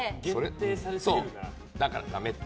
だからダメって。